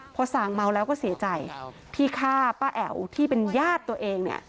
พอส่างเมาแล้วก็เสียใจที่ฆ่าป้าแอ๋วที่เป็นญาติตัวเองเนี่ย